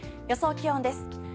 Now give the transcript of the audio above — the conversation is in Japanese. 予想気温です。